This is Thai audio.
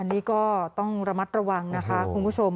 อันนี้ก็ต้องระมัดระวังนะคะคุณผู้ชม